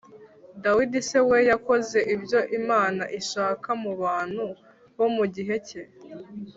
Dawidic we yakoze ibyo Imana ishaka mu bantu bo mu gihe cye